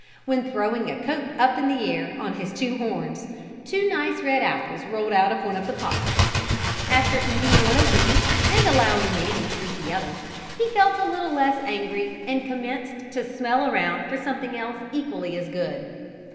When throwing a coat up in the air on his horns two nice red apples rolled out of one of the pockets. After eating one of these and allowing Nanny to eat the other, he felt a little less angry and commenced to smell around for something else equally as good.